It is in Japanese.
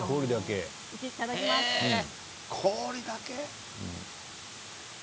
氷だけ？